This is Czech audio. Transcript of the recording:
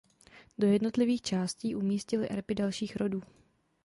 Do jednotlivých částí umístili erby dalších rodů.